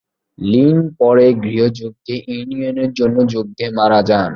Lin পরে গৃহযুদ্ধে ইউনিয়নের জন্য যুদ্ধে মারা যান।